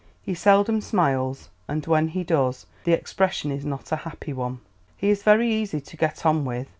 He seldom smiles, and when he does, the expression is not a happy one. He is very easy to get on with."